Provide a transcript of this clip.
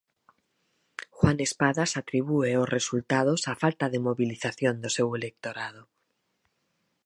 Juan Espadas atribúe os resultados á falta de mobilización do seu electorado.